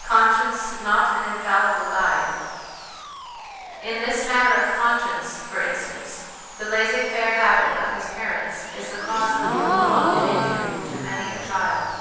Conscience not an Infallible Guide. In this matter of conscience, for instance, the laissez faire habit of his parents is the cause of real wrong and injury to many a child.